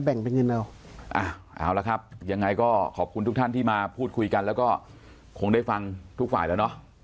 แบ่งเป็นเงินเราอ่ะเอาละครับยังไงก็ขอบคุณทุกท่านที่มาพูดคุยกันแล้วก็คงได้ฟังทุกฝ่ายแล้วเนอะ